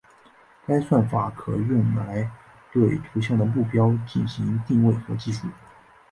该算法可用来对图像的目标进行定位和计数。